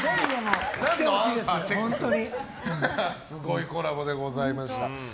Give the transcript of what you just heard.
すごいコラボでございました。